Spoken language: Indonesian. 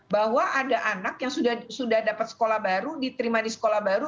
bahwa ada anak yang sudah dapat sekolah baru diterima di sekolah baru